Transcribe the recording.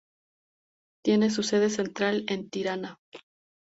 Tiene su sede central en Tirana.